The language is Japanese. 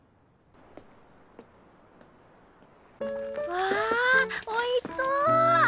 わあおいしそう！